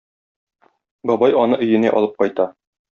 Бабай аны өенә алып кайта.